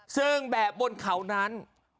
ซึ่งแบบบนเขานั้น